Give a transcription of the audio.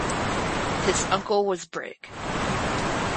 His uncle was Brig.